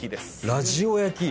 ラヂオ焼き？